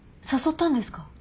誘ったんですか？